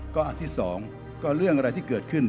ก็อันที่๒ก็เรื่องอะไรที่เกิดขึ้น